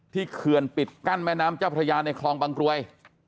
เขื่อนปิดกั้นแม่น้ำเจ้าพระยาในคลองบางกรวย